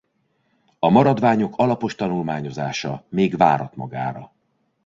A maradványok alapos tanulmányozása még várat magára.